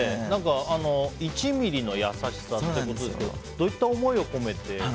何か「１ミリの優しさ」ってことですけどどういった思いを込めて？